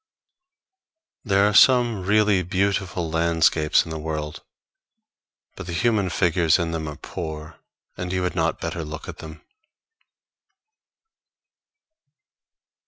There are some really beautifully landscapes in the world, but the human figures in them are poor, and you had not better look at them.